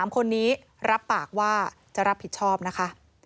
๓คนนี้รับปากว่าจะรับผิดชอบนะคะ